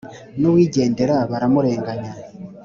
n’uwigendera baramurenganya